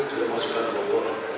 sudah masuk ke babak kedua